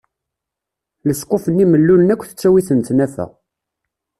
Lesquf-nni mellulen akk tettawi-ten tnafa.